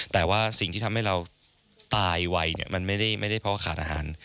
แต่ว่าสิ่งที่ทำให้เราตายไวมันไม่ได้เพราะว่าขาดอาหาร